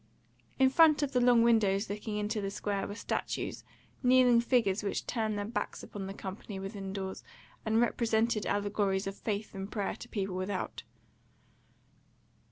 In front of the long windows looking into the Square were statues, kneeling figures which turned their backs upon the company within doors, and represented allegories of Faith and Prayer to people without.